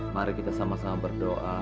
mari kita sama sama berdoa